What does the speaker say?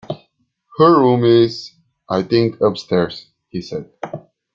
"Her room is, I think, upstairs," he said.